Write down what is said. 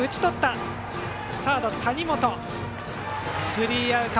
スリーアウト。